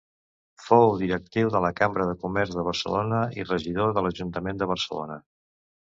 Fou directiu de la Cambra de Comerç de Barcelona i regidor de l'ajuntament de Barcelona.